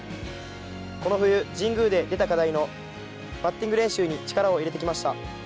この冬、神宮で出た課題のバッティング練習に力を入れてきました。